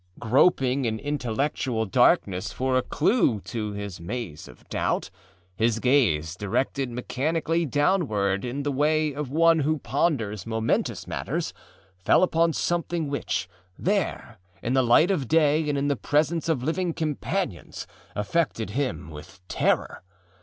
Groping in intellectual darkness for a clew to his maze of doubt, his gaze, directed mechanically downward in the way of one who ponders momentous matters, fell upon something which, there, in the light of day and in the presence of living companions, affected him with terror.